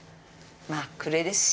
まあ暮れですし。